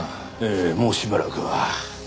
ええもうしばらくは。